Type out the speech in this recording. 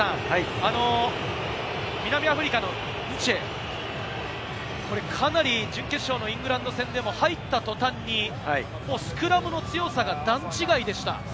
南アフリカのンチェ、かなり準決勝のイングランド戦でも、入った途端にスクラムの強さが段違いでした。